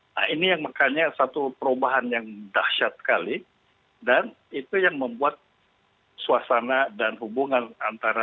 nah ini yang makanya satu perubahan yang dahsyat sekali dan itu yang membuat suasana dan hubungan antara